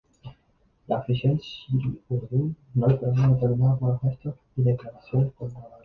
La afición txuri-urdin no le perdonó determinados malos gestos y declaraciones contra la grada.